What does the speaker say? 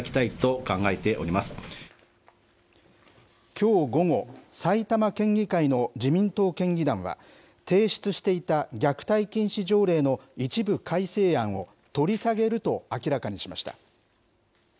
きょう午後、埼玉県議会の自民党県議団は、提出していた虐待禁止条例の一部改正案を取り下げると明らかにしました。